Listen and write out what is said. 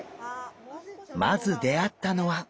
まず出会ったのは。